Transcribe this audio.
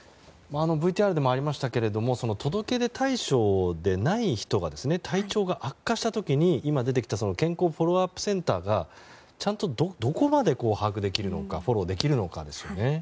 ＶＴＲでもありましたが届け出対象でない人が体調が悪化した時に健康フォローアップセンターがちゃんと、どこまで把握してフォローできるかですね。